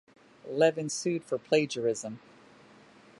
Levin sued for plagiarism.